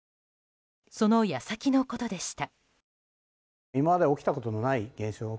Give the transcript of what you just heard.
その矢先のことでした。